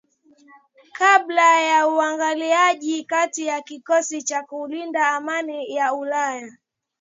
Kabla ya uingiliaji kati wa kikosi cha kulinda amani cha ulaya.